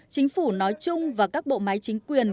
chính phủ nói chung và các bộ máy chính quyền